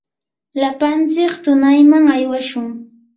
lapantsik tunayman aywashun.